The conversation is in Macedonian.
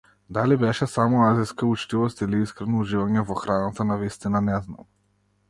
Дали беше само азиска учтивост или искрено уживање во храната навистина не знам.